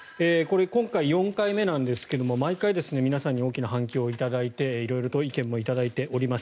今回、４回目なんですけども毎回、皆さんに大きな反響を頂いて色々と意見も頂いております。